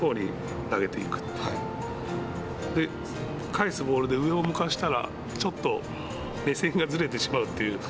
返すボールで上を向かせたらちょっと目線がずれてしまうという。